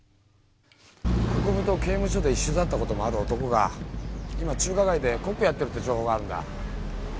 国府と刑務所で一緒だったこともある男が今中華街でコックやってるって情報があるんだ。